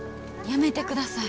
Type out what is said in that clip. やめてください。